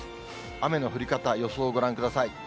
雨の降り方、予想ご覧ください。